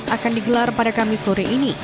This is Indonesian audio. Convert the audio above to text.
akan digelar pada kamisore ini